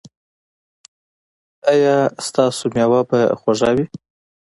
ایا ستاسو میوه به خوږه وي؟